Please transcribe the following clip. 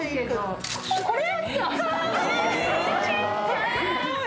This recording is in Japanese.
これ？